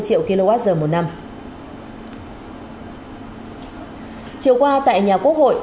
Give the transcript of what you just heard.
chiều qua tại nhà quốc hội